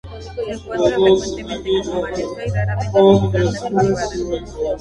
Se encuentra frecuentemente como maleza y raramente como planta cultivada.